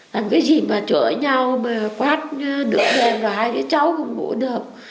làm cái gì mà chửi nhau mà quát nửa đêm rồi hai đứa cháu không ngủ được